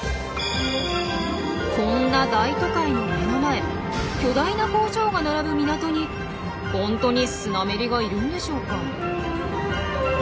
こんな大都会の目の前巨大な工場が並ぶ港に本当にスナメリがいるんでしょうか？